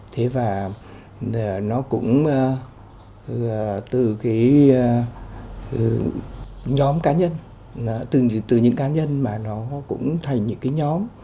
thế và nó cũng từ cái nhóm cá nhân từ những cá nhân mà nó cũng thành những cái nhóm